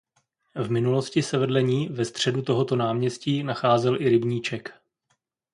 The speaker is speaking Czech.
V minulosti se vedle ní ve středu tohoto náměstí nacházel i rybníček.